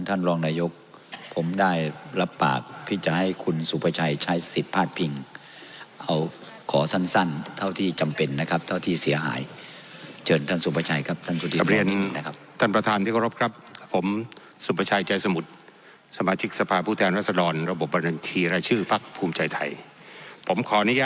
ท่านศักดิ์สยามชิดชอบนะครับ